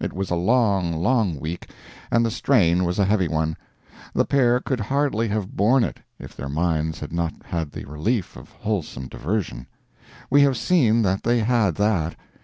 It was a long, long week, and the strain was a heavy one. The pair could hardly have borne it if their minds had not had the relief of wholesome diversion. We have seen that they had that.